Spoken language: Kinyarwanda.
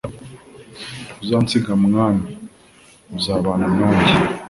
ntuzansiga mwaami uzabana nanjye